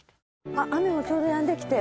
あっ雨もちょうどやんできて。